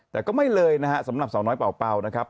แต่ก็ไม่เลยนะฮะสำหรับสาวน้อยเป่านะครับ